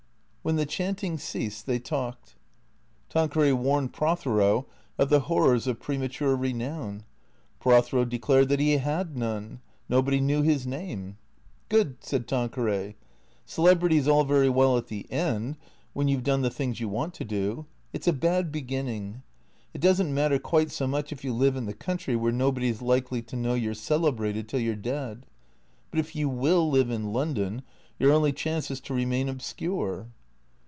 When the chanting ceased they talked. Tanqueray warned Prothero of the horrors of premature re nown. Prothero declared that he had none. Nobody knew his name. " Good," said Tanqueray. " Celebrity's all very well at the end, when you 've done the things you want to do. It 's a bad beginning. It does n't matter quite so much if you live in the country where nobody's likely to know you 're celebrated till you 're dead. But if you will live in London, your only chance is to remain obscure."